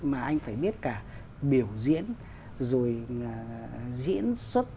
mà anh phải biết cả biểu diễn rồi diễn xuất